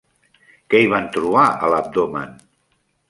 Què hi van trobar a l'abdomen?